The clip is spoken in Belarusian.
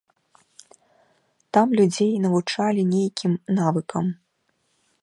Там людзей навучалі нейкім навыкам.